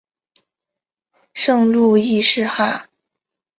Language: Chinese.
圣路易士哈！